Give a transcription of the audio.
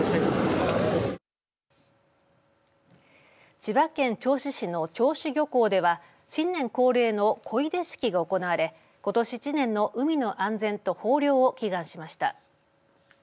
千葉県銚子市の銚子漁港では新年恒例の漕出式が行われことし１年の海の安全と豊漁を祈願しました。